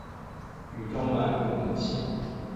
羽状脉不明显。